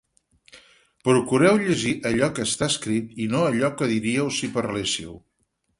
Procureu llegir allò que està escrit i no allò que dirieu si parléssiu.